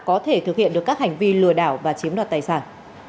có thể thực hiện được các hành vi lừa đảo và chiếm đoạt tài sản